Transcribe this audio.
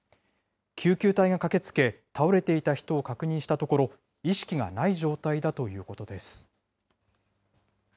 救急隊が駆けつけ、倒れていた人を確認したところ、意識がない状態だということです。